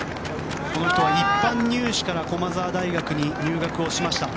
この人は一般入試から駒澤大学に入学しました。